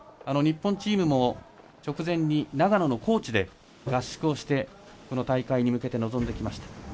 日本チームも直前に長野の高地で合宿をして、この大会に向けて臨んできました。